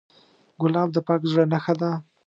ګلاب د پاک زړه نښه ده.